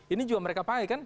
ini juga mereka baik kan